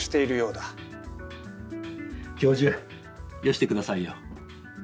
教授よしてくださいよ。